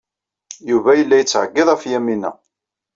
Yuba yella yettɛeyyiḍ ɣef Yamina.